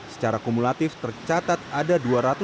secara kumulatif tercatat ada